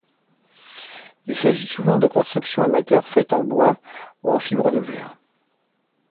Il s’agit souvent de constructions amateur faites en bois ou en fibre de verre.